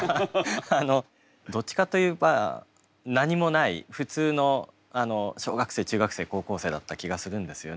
どっちかといえば何もない普通の小学生中学生高校生だった気がするんですよね。